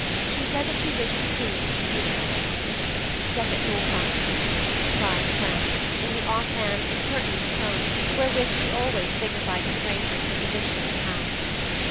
She said that she wished to see Mrs. Hewett. 'Second floor front,' replied Clem in the offhand, impertinent tone wherewith she always signified to strangers her position in the house.